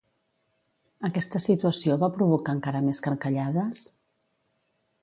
Aquesta situació va provocar encara més carcallades?